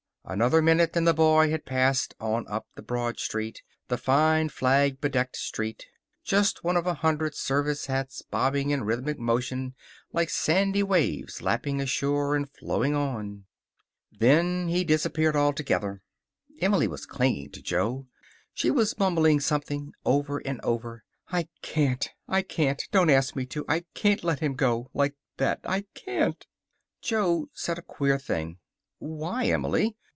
Another minute and the boy had passed on up the broad street the fine, flag bedecked street just one of a hundred service hats bobbing in rhythmic motion like sandy waves lapping a shore and flowing on. Then he disappeared altogether. Emily was clinging to Jo. She was mumbling something, over and over. "I can't. I can't. Don't ask me to. I can't let him go. Like that. I can't." Jo said a queer thing. "Why, Emily!